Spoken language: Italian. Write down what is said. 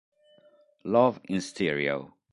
Love in Stereo